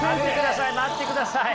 待ってください！